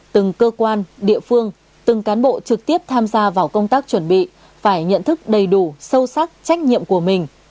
từng cơ quan địa phương từng cán bộ trực tiếp tham gia vào công tác chuẩn bị phải nhận thức đầy đủ sâu sắc trách nhiệm của mình